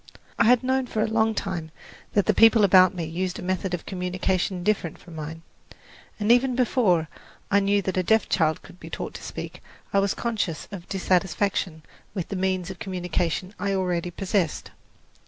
I had known for a long time that the people about me used a method of communication different from mine; and even before I knew that a deaf child could be taught to speak, I was conscious of dissatisfaction with the means of communication I already possessed.